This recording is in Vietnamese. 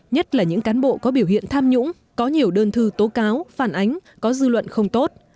nhất là những cán bộ có biểu hiện tham nhũng có nhiều đơn thư tố cáo phản ánh có dư luận không tốt